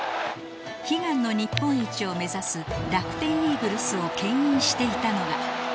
悲願の日本一を目指す楽天イーグルスを牽引していたのが